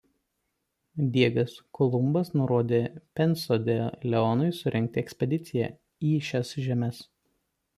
Diegas Kolumbas nurodė Ponse de Leonui surengti ekspediciją į šias žemes.